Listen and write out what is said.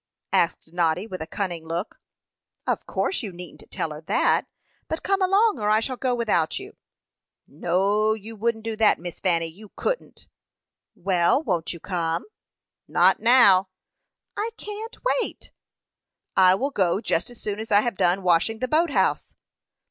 asked Noddy, with a cunning look. "Of course you needn't tell her that. But come along, or I shall go without you." "No you wouldn't do that, Miss Fanny. You couldn't." "Well, won't you come?" "Not now." "I can't wait." "I will go just as soon as I have done washing the boat house."